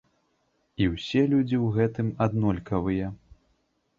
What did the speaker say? І ўсе людзі ў гэтым аднолькавыя.